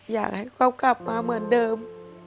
อยากให้เขากลับมาเหมือนเดิม